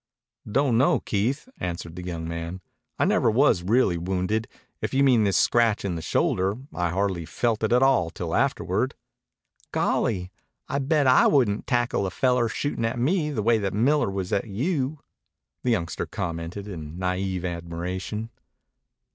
"Don't know, Keith," answered the young man. "I never was really wounded. If you mean this scratch in the shoulder, I hardly felt it at all till afterward." "Golly! I'll bet I wouldn't tackle a feller shootin' at me the way that Miller was at you," the youngster commented in naïve admiration.